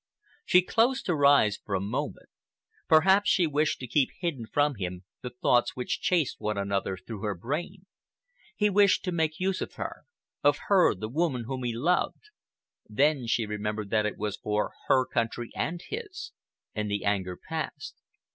She closed her eyes for a moment. Perhaps she wished to keep hidden from him the thoughts which chased one another through her brain. He wished to make use of her—of her, the woman whom he loved. Then she remembered that it was for her country and his, and the anger passed.